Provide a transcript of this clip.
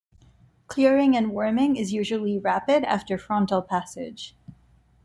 Clearing and warming is usually rapid after frontal passage.